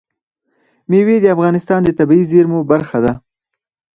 مېوې د افغانستان د طبیعي زیرمو برخه ده.